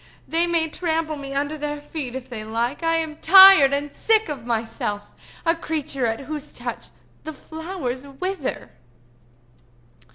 "They may trample me under their feet if they like. I am tired and sick of myself—a creature at whose touch the flowers wither!"